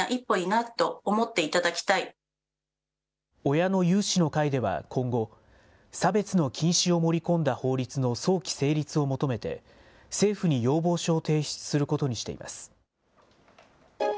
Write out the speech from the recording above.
親の有志の会では今後、差別の禁止を盛り込んだ法律の早期成立を求めて、政府に要望書を提出することにしています。